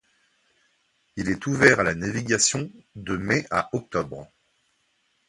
Il est ouvert à la navigation de mai à octobre.